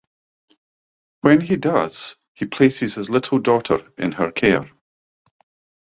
When he does he places his little daughter in her care.